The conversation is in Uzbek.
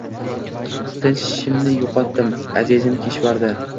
Tinchimni yoʻqotdim, azizim Kishvardi!